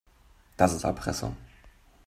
Das ist Erpressung.